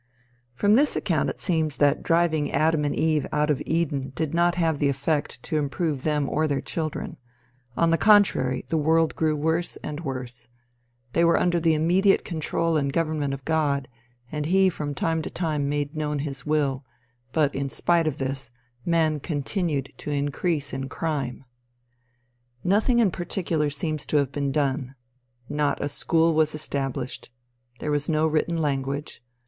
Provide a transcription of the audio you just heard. From this account it seems that driving Adam and Eve out of Eden did not have the effect to improve them or their children. On the contrary, the world grew worse and worse. They were under the immediate control and government of God, and he from time to time made known his will; but in spite of this, man continued to increase in crime. Nothing in particular seems to have been done. Not a school was established. There was no written language.